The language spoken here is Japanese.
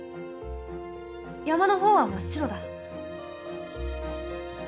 山の方は真っ白だ。